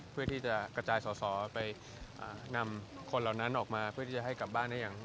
เพื่อที่จะกระจายสอไปนำคนเหล่านั้นออกมา